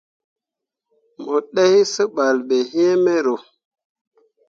Mo ɗai seɓal ɓe iŋ mero.